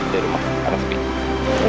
dari rumah anak sepi